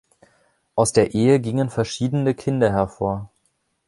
Aus der Ehe gingen verschiedene Kinder hervor.